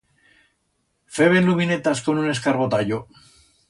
Feben luminetas con un escarbotallo.